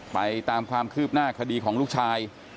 ไปตามความคืบหน้าคดีของลูกชาย